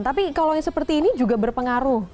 tapi kalau yang seperti ini juga berpengaruh